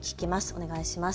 お願いします。